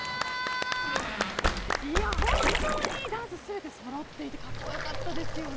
本当にダンスがそろっていてかっこ良かったですよね。